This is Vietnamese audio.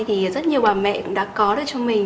thì rất nhiều bà mẹ cũng đã có được cho mình